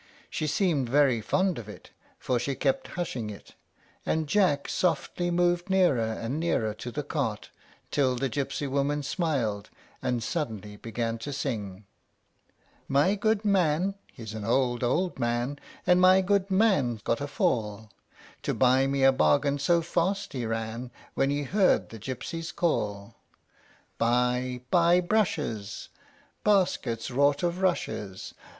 She seemed very fond of it, for she kept hushing it; and Jack softly moved nearer and nearer to the cart, till the gypsy woman smiled, and suddenly began to sing, My good man he's an old, old man And my good man got a fall, To buy me a bargain so fast he ran When he heard the gypsies call: "Buy, buy brushes, Baskets wrought o' rushes.